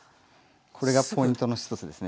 これがポイントの１つですね。